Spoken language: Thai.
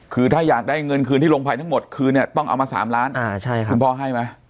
คือถ้าอยากได้เงินคืนที่โรงภัยทั้งหมดคืนเนี่ยต้องเอามา๓ล้านคุณพ่อให้ไหม